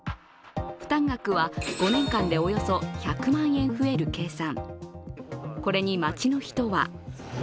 負担額は５年間でおよそ１００万円増える計算。